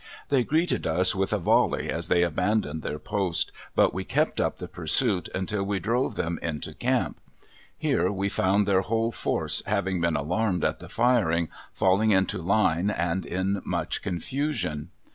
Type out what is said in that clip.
They greeted us with a volley as they abandoned their post, but we kept up the pursuit until we drove them into camp. Here we found their whole force, having been alarmed at the firing, falling into line and in much confusion.